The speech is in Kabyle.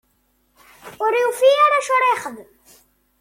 Ur yufi ara acu ara yexdem.